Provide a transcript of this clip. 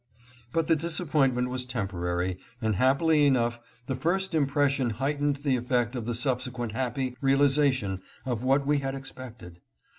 But the disappointment was temporary, and happily enough the first impression heightened the effect of the subsequent happy realization of what we had expected.